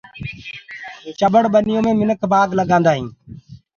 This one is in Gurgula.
چٻڙ ڀنيو مي منک بآگ لگآندآ هينٚ۔